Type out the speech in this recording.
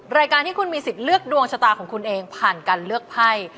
รายการที่คุณมีสิทธิ์เลือกดวงชะตาของคุณเองผ่านการเลือกไพ่